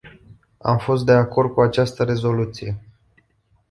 Am fost de acord cu această rezoluție.